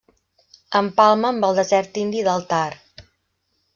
Empalma amb el desert indi del Thar.